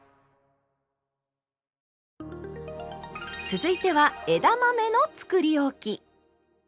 続いては枝豆のつくりおき。